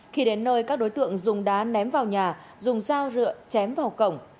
khi đến nơi các đối tượng dùng đá ném vào nhà dùng dao dựa chém vào cổng